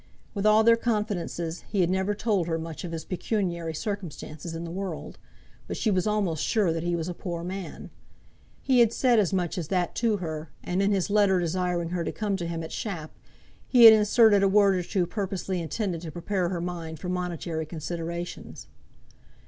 With all their confidences, he had never told her much of his pecuniary circumstances in the world, but she was almost sure that he was a poor man. He had said as much as that to her, and in his letter desiring her to come to him at Shap, he had inserted a word or two purposely intended to prepare her mind for monetary considerations.